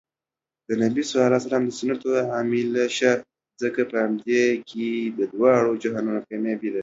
د نبي ص د سنتو عاملشه ځکه په همدې کې د دواړو جهانونو کامیابي